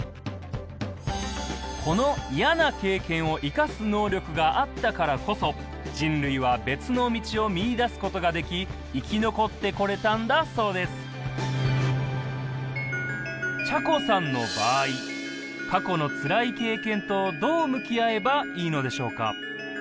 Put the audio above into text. このイヤな経験をいかす能力があったからこそ人類は別の道を見いだすことができ生き残ってこれたんだそうですちゃこさんの場合過去のつらい経験とどう向き合えばいいのでしょうか？